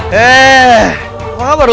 heeeh apa kabar lu